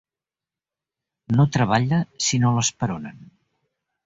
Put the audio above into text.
No treballa si no l'esperonen.